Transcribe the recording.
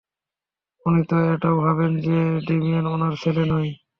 উনি তো এটাও ভাবেন যে ডেমিয়েন উনার ছেলে নয়।